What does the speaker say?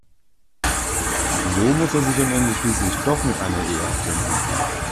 So muss er sich am Ende schließlich doch mit einer Ehe abfinden.